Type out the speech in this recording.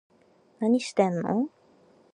何してんの